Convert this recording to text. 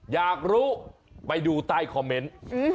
อยากรู้ไปดูใต้คอมเมนต์